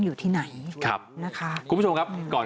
คิดว่าไม่นานคงจับตัวได้แล้วก็จะต้องเค้นไปถามตำรวจที่เกี่ยวข้อง